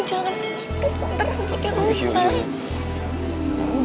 itu beneran kayak rusak